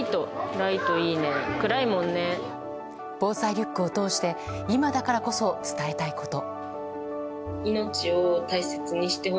防災リュックを通して今だからこそ、伝えたいこと。